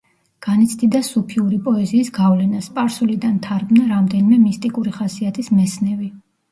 განიცდიდა სუფიური პოეზიის გავლენას, სპარსულიდან თარგმნა რამდენიმე მისტიკური ხასიათის მესნევი.